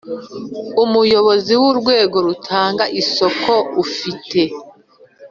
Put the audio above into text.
Umuyobozi w urwego rutanga isoko ufite